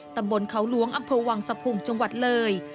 ตำบลเขาหลวงอำเภอวังสะพุงจังหวัดเลย